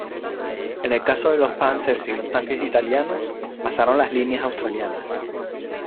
En los casos de los Panzers y los tanques italianos, pasaron las líneas australianas.